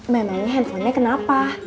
memangnya handphonenya kenapa